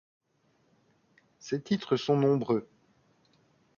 Ses titres sont nombreux.